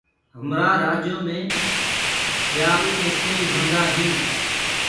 همرآ روآجو مي ٻيائوُ ايسي هوندآ هينٚ